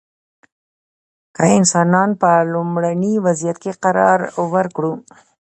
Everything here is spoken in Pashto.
که انسانان په لومړني وضعیت کې قرار ورکړو.